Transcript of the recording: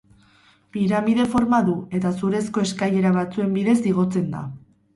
Piramide forma du eta zurezko eskailera batzuen bidez igotzen da.